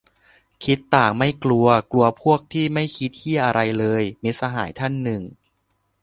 "คิดต่างไม่กลัว กลัวพวกที่ไม่คิดเหี้ยอะไรเลย" - มิตรสหายท่านหนึ่ง